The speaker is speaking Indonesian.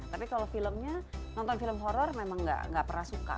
tapi kalau filmnya nonton film horror memang gak pernah suka